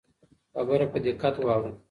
خبره په دقت واوره.